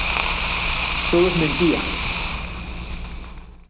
Todos mentían.